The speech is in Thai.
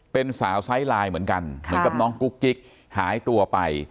เป็นสาวไซส์ไลน์เหมือนกันเหมือนกับน้องกุ๊กกิ๊กหายตัวไป